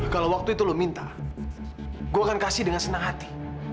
kalau waktu itu lu minta gue akan kasih dengan senang hati